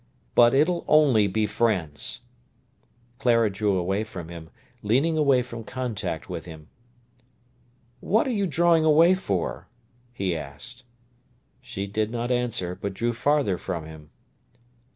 "But it'll only be friends." Clara drew away from him, leaning away from contact with him. "What are you drawing away for?" he asked. She did not answer, but drew farther from him.